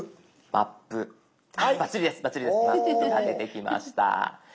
「マップ」が出てきました。